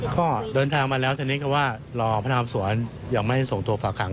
ก็เดินทางมาแล้วทีนี้ก็ว่ารอพนักสวนยังไม่ได้ส่งตัวฝากหาง